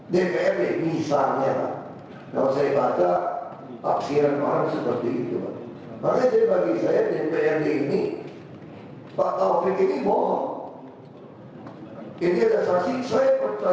terhambatnya tadi sudah datangkan berkait dengan konflik keselamatan